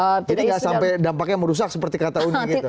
jadi tidak sampai dampaknya merusak seperti kata uni gitu